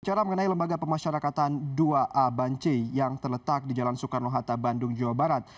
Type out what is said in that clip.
cara mengenai lembaga pemasyarakatan dua a ban c yang terletak di jalan soekarno hatta bandung jawa barat